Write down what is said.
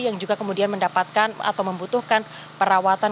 yang juga kemudian mendapatkan atau membutuhkan perawatan